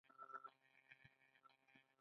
سلطان امر وکړ چې ماته دوا راکړي.